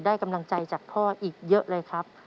กำลังใจจากพ่ออีกเยอะเลยครับ